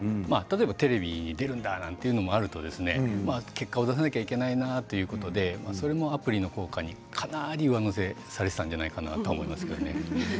テレビに出るんだというところもあると結果を出さなければいけないということでそれもアプリの効果にかなり上乗せされていったんじゃないかなと思います。